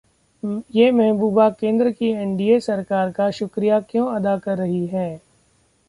ये महबूबा केंद्र की एनडीए सरकार का शुक्रिया क्यों अदा कर रही हैं...